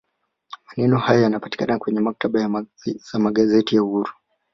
maneno hayo yanapatikana kwenye maktaba za magazeti ya uhuru